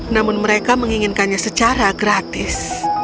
namun mereka menginginkannya secara gratis